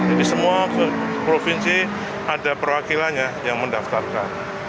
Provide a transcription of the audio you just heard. jadi semua provinsi ada perwakilannya yang mendaftarkan